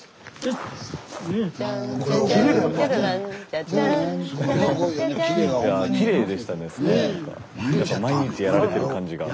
やっぱり毎日やられてる感じが。